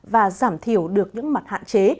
và giảm thiểu được những mặt hạn chế